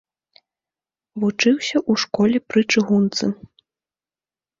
Вучыўся ў школе пры чыгунцы.